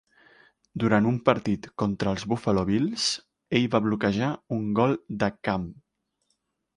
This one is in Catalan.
Durant un partit contra els Buffalo Bills, ell va bloquejar un gol de camp.